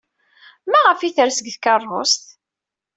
Maɣef ay d-ters seg tkeṛṛust?